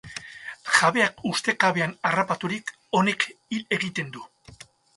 Jabeak ustekabean harrapaturik, honek hil egiten du.